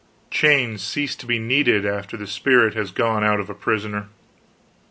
Chains cease to be needed after the spirit has gone out of a prisoner.